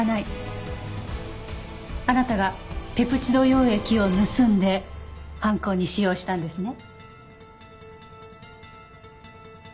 あなたがペプチド溶液を盗んで犯行に使用したんですね？